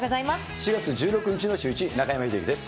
４月１６日のシューイチ、中山秀征です。